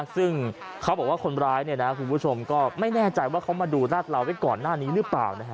ซึ่งเขาบอกว่าคนร้ายคุณผู้ชมก็ไม่แน่ใจว่าเขามาดูราดเราไว้ก่อนหน้านี้หรือเปล่า